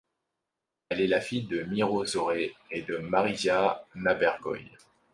Elle est la fille de Miro Zore et de Marija Nabergoj.